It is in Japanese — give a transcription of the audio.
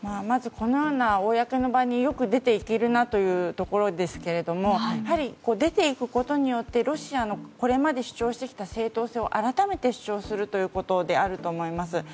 まずこのような公の場によく出て行けるなということですけどやはり出て行くことによってロシアがこれまで主張してきた正当性を改めて主張するということだと思います。